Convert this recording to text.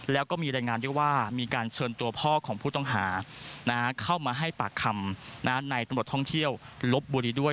แล้วก็มีรายงานด้วยว่ามีการเชิญตัวพ่อของผู้ต้องหาเข้ามาให้ปากคำในตำรวจท่องเที่ยวลบบุรีด้วย